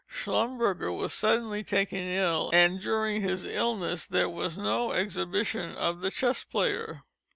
_Schlumberg_er was suddenly taken ill, and during his illness there was no exhibition of the Chess Player.